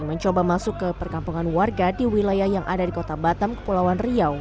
mencoba masuk ke perkampungan warga di wilayah yang ada di kota batam kepulauan riau